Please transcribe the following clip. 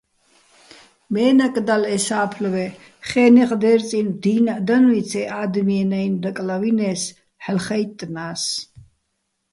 მე́ნაკ დალ ე სა́ფლვე, ხე́ნეღ დერწინო̆ დინაჸ დანუჲცი̆ ე ა́დმიეჼ-ნაჲნო̆ დაკლავინე́ს, ჰ̦ალო́ ხაჲტტნა́ს.